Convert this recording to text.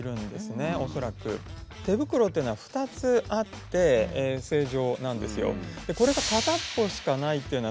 手袋っていうのは２つあって正常なんですよ。